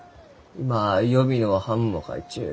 今予備の版も描いちゅう。